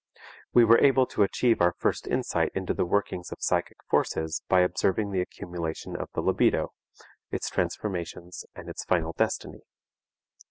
We were able to achieve our first insight into the workings of psychic forces by observing the accumulation of the libido, its transformations and its final destiny.